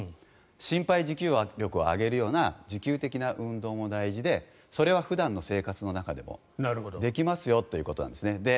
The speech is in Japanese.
心肺持久力を上げるような持久的な運動も大事でそれは普段の生活の中でもできますよということなんですよね。